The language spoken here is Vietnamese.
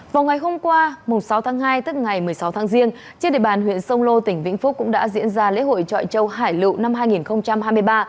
vào ngày hôm qua trên địa bàn huyện sông lô tỉnh vĩnh phúc cũng đã diễn ra lễ hội chọi châu hải lụ năm hai nghìn hai mươi ba